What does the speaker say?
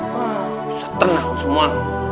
wah susah tenang lu semua